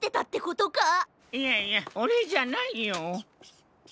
いやいやオレじゃないよ。